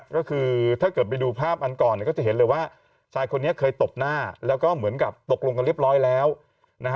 ก็คือถ้าเกิดไปดูภาพอันก่อนเนี่ยก็จะเห็นเลยว่าชายคนนี้เคยตบหน้าแล้วก็เหมือนกับตกลงกันเรียบร้อยแล้วนะฮะ